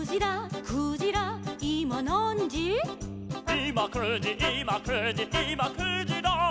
「いま９じいま９じいま９じら」